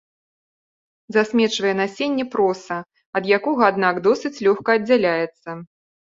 Засмечвае насенне проса, ад якога, аднак досыць лёгка аддзяляецца.